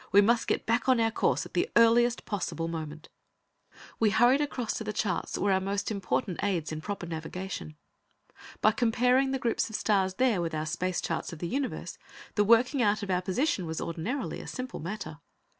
We must get back on our course at the earliest possible moment." We hurried across to the charts that were our most important aides in proper navigation. By comparing the groups of stars there with our space charts of the universe, the working out of our position was ordinarily, a simple matter.